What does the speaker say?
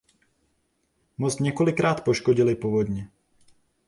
Most několikrát poškodily povodně.